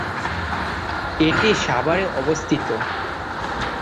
এটি সাভারে অবস্থিত।